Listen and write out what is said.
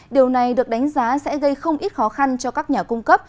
điều này được đánh giá sẽ gây không ít khó khăn cho các nhà cung cấp